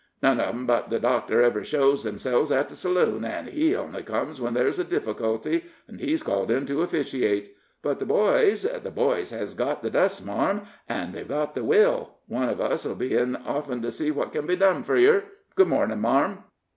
None uv 'em but the doctor ever shows themselves at the saloon, an' he only comes when there's a diffikilty, an' he's called in to officiate. But the boys the boys hez got the dust, marm, an' they've got the will. One uv us'll be in often to see what can be done fur yer. Good mornin', marm."